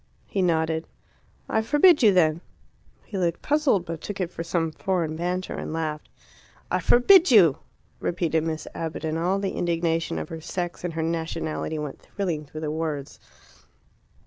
He nodded. "I forbid you, then!" He looked puzzled, but took it for some foreign banter, and laughed. "I forbid you!" repeated Miss Abbott, and all the indignation of her sex and her nationality went thrilling through the words.